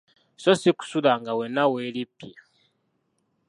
So si kusula nga wenna weerippye.